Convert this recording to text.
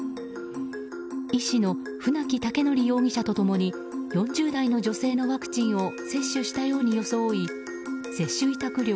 医師の船木威徳容疑者と共に４０代の女性のワクチンを接種したように装い接種委託料